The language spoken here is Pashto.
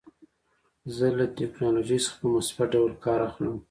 زه له ټکنالوژۍ څخه په مثبت ډول کار اخلم.